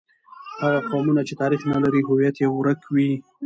هغه قومونه چې تاریخ نه لري، هویت یې ورک وي.